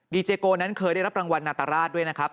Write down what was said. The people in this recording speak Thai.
ดีเจโกชานั้นเคยได้รับรางวัลหนทราติด้วยนะครับ